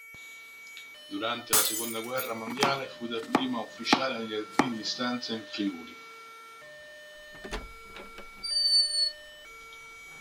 Durante la seconda guerra mondiale fu dapprima ufficiale negli alpini di stanza in Friuli.